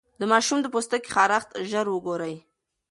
د ماشوم د پوستکي خارښت ژر وګورئ.